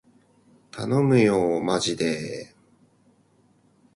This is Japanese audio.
たのむよーまじでー